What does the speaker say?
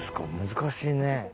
難しいね。